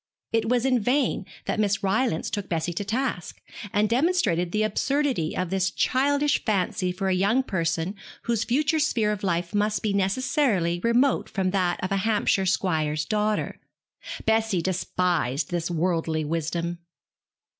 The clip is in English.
It was in vain that Miss Rylance took Bessie to task, and demonstrated the absurdity of this childish fancy for a young person whose future sphere of life must be necessarily remote from that of a Hampshire squire's daughter. Bessie despised this worldly wisdom.